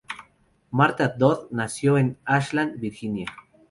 Martha Dodd nació en Ashland, Virginia.